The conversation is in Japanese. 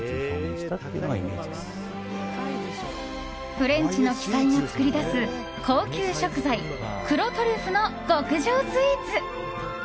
フレンチの鬼才が作り出す高級食材・黒トリュフの極上スイーツ。